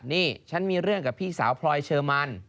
นี่ฉันมีเรื่องกับพี่สาวพลอยเชอร์มัน